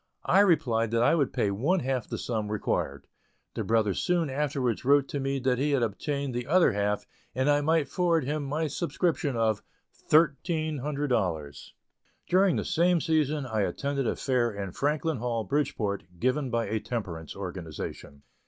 I replied that I would pay one half of the sum required. The brother soon afterwards wrote me that he had obtained the other half, and I might forward him my subscription of "thirteen" hundred dollars. During the same season I attended a fair in Franklin Hall, Bridgeport, given by a temperance organization.